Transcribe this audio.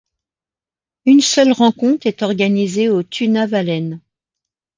Une seule rencontre est organisée au Tunavallen.